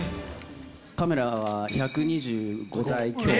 カメラは１２５台強。